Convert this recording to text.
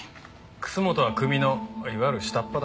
楠本は組のいわゆる下っ端だ。